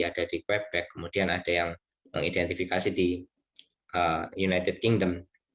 ada di web back kemudian ada yang mengidentifikasi di united kingdom